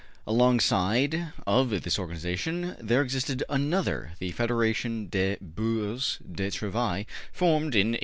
Alongside of this organization there existed another, the Federation des Bourses du Travail, formed in 1893.